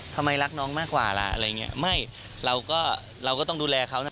ทำไมรักน้องมากกว่าล่ะอะไรอย่างเงี้ยไม่เราก็เราก็ต้องดูแลเขานะ